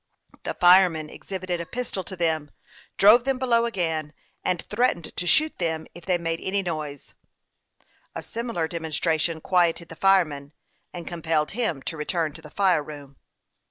The fireman exhibited a pistol to them, drove them below again, and threat ened to shoot them if they made any noise. A similar demonstration quieted the fireman, and com pelled him to return to the fire room.